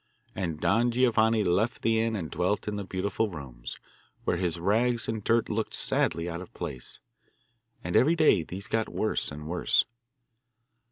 And Don Giovanni left the inn and dwelt in the beautiful rooms, where his rags and dirt looked sadly out of place. And every day these got worse and worse.